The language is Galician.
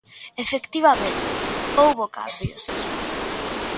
Efectivamente, houbo cambios.